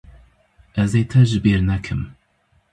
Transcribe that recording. Ez ê te ji bîr nekim.